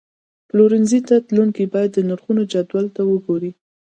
پلورنځي ته تلونکي باید د نرخونو جدول ته وګوري.